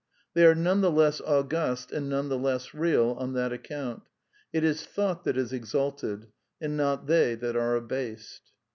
They are none the less august, and none the less real, on that account. It is Thought that is exalted, and not they that are abased.